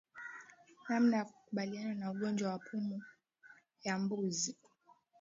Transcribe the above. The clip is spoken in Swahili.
Namna ya kukabiliana na ugonjwa wa pumu ya mbuzi